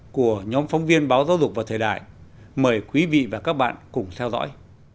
của nhóm phóng viên báo giáo dục và thời đại mời quý vị và các bạn cùng theo dõi